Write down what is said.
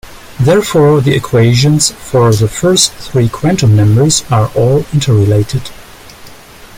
Therefore, the equations for the first three quantum numbers are all interrelated.